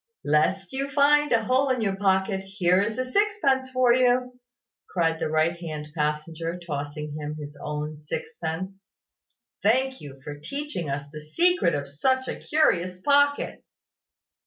"Lest you find a hole in your pocket, here is a sixpence for you," cried the right hand passenger, tossing him his own sixpence. "Thank you for teaching us the secret of such a curious pocket."